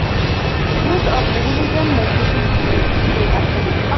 Use of Leibnizian notation began to spread after this.